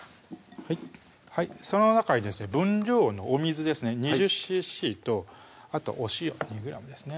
その中にですね分量のお水ですね２０ｃｃとあとお塩２ｇですね